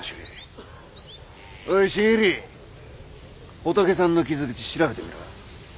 仏さんの傷口調べてみろ。